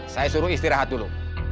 saya suruh istirahat dulu